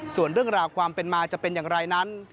ส่วนเรื่องราวความเป็นมาจะเป็นอย่างไรนั้น